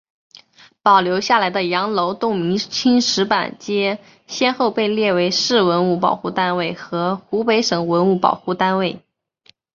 保留下来的羊楼洞明清石板街先后被列为市文物保护单位和湖北省文物保护单位。